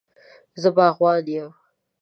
زه باغوان یم